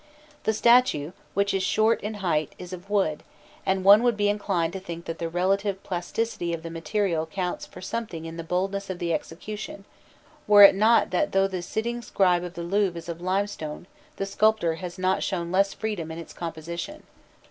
The statue, which is short in height, is of wood, and one would be inclined to think that the relative plasticity of the material counts for something in the boldness of the execution, were it not that though the sitting scribe of the Louvre is of limestone, the sculptor has not shown less freedom in its composition.